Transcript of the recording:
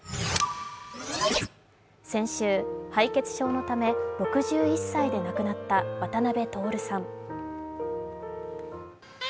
先週、敗血症のため６１歳で亡くなった渡辺徹さん。